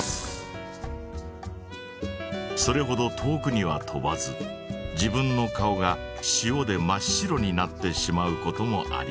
それほど遠くには飛ばず自分の顔が塩で真っ白になってしまうこともあります。